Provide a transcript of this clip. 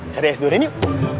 cari es durian yuk